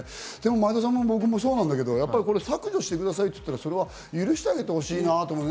前田さんも僕もそうなんだけど、削除してくださいと言ったら、それは許してあげてほしいなと思う。